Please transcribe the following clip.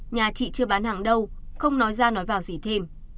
nhà chị chưa bán hàng đâu không nói ra nói vào gì thêm